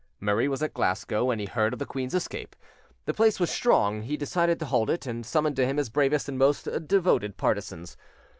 Murray was at Glasgow when he heard of the queen's escape: the place was strong; he decided to hold it, and summoned to him his bravest and most devoted partisans.